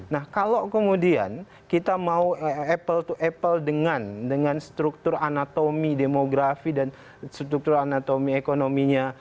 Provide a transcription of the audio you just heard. nah kalau kemudian kita mau apple to apple dengan struktur anatomi demografi dan struktur anatomi ekonominya